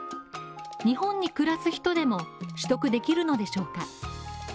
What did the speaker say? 日本に暮らす人でも取得できるのでしょうか？